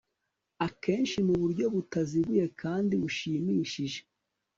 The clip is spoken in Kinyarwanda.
akenshi mu buryo butaziguye kandi bushimishije